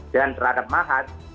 dan terhadap mahat